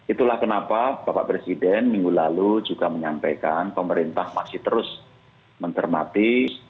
itulah kenapa bapak presiden minggu lalu juga menyampaikan pemerintah masih terus mentermati